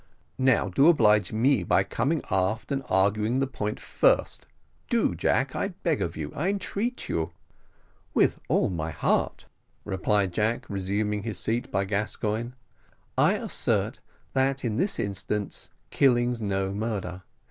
"Now do oblige me by coming aft and arguing the point first. Do, Jack, I beg of you I entreat you." "With all my heart," replied Jack, resuming his seat by Gascoigne; "I assert, that in this instance killing's no murder.